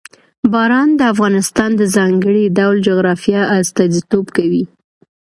باران د افغانستان د ځانګړي ډول جغرافیه استازیتوب کوي.